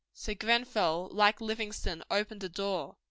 So Grenfell, like Livingstone, opened a door.